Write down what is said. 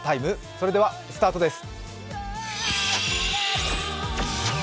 それではスタートです